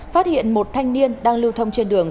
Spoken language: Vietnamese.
phát hiện một thanh niên đang lưu thông trên đường